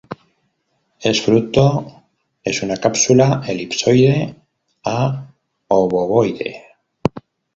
Es fruto es una cápsula elipsoide a obovoide.